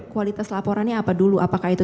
kualitas laporannya apa dulu apakah itu